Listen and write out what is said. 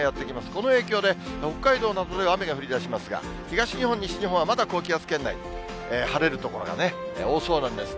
この影響で、北海道などで雨が降りだしますが、東日本、西日本はまだ高気圧圏内、晴れる所が多そうなんです。